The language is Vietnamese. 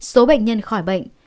số bệnh nhân khỏi bệnh